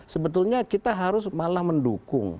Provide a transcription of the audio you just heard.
sebetulnya kita harus malah mendukung